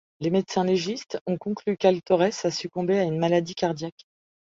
Les médecins légistes ont conclu qu'Al Torres a succombé à une maladie cardiaque.